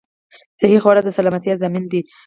صحې خواړه د سلامتيا ضامن ده